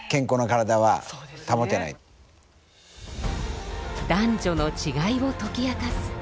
男女の違いを解き明かす性差医療。